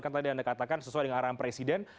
kan tadi anda katakan sesuai dengan arahan presiden